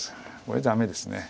これ駄目ですね。